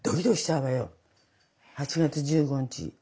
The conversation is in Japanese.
８月１５日。